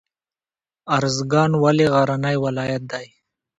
ارزګان ولې غرنی ولایت دی؟